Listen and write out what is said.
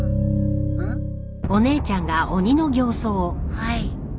はい。